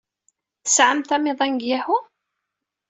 Tesɛamt amiḍan deg Yahoo?